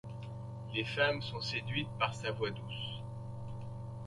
Les femmes sont séduites par sa voix douce.